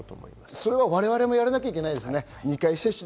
それはわれわれもやらなきゃいけないですね。